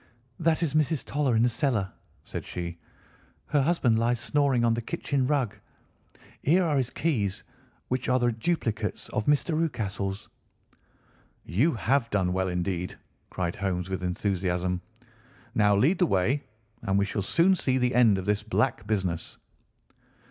"That is Mrs. Toller in the cellar," said she. "Her husband lies snoring on the kitchen rug. Here are his keys, which are the duplicates of Mr. Rucastle's." "You have done well indeed!" cried Holmes with enthusiasm. "Now lead the way, and we shall soon see the end of this black business."